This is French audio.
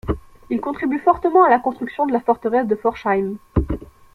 Il contribue fortement à la construction de la forteresse de Forchheim.